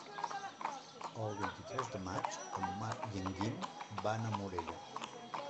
El vint-i-tres de maig en Marc i en Guim van a Morella.